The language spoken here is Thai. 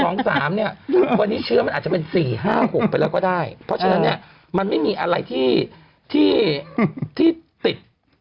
วันนี้เชื้อมันอาจจะเป็น๔๕๖ไปแล้วก็ได้เพราะฉะนั้นเนี่ยมันไม่มีอะไรที่ติด